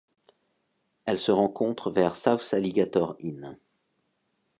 Elle se rencontre vers South Alligator Inn.